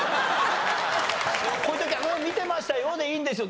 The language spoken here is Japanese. こういう時は「うん見てましたよ」でいいんですよ。